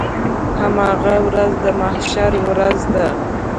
هماغه ورځ د محشر ورځ ده.